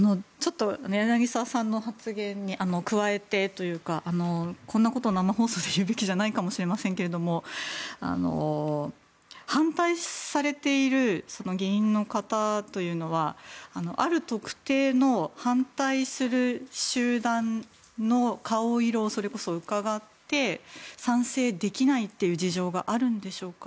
柳澤さんの発言に加えてというかこんなことを生放送で言うべきじゃないかもしれませんけど反対されている議員の方というのはある特定の反対する集団の顔色をそれこそうかがって賛成できないという事情があるんでしょうか。